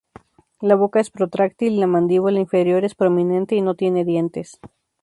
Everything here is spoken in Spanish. La boca es protráctil y la mandíbula inferior es prominente y no tiene dientes.